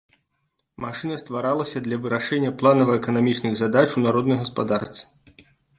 Машына стваралася для вырашэння планава-эканамічных задач у народнай гаспадарцы.